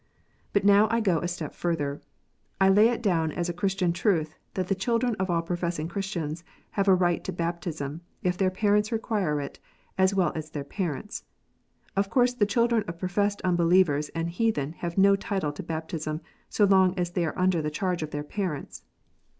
But I now go a step further. I lay it down as a Christian truth that the children of all professing Christians have a right to baptism, if their parents require it, as well as their parents. Of course the children of professed unbelievers and heathen have no title to baptism, so long as they are under the charge of their parents.